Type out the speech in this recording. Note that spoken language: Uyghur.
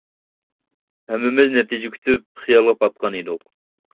ھەممىمىز نەتىجە كۈتۈپ خىيالغا پاتقان ئىدۇق.